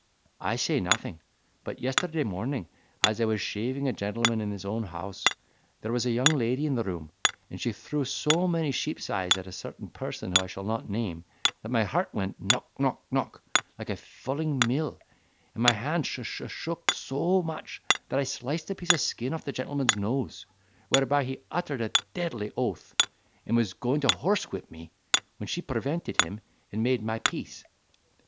I say nothing; but yesterday morning as I was shaving a gentleman at his own house, there was a young lady in the room, and she threw so many sheep's eyes at a certain person whom I shall not name, that my heart went knock, knock, knock, like a fulling mill, and my hand sh sh shook so much that I sliced a piece of skin off the gentleman's nose; whereby he uttered a deadly oath, and was going to horsewhip me, when she prevented him, and made my peace.